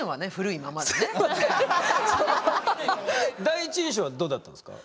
第一印象はどうだったんですか？